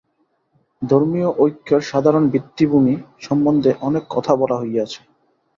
ধর্মীয় ঐক্যের সাধারণ ভিত্তিভূমি সম্বন্ধে অনেক কথা বলা হইয়াছে।